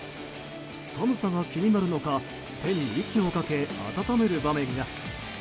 寒さが気になるのか手に息をかけ温める場面が。